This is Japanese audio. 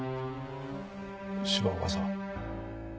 島岡さん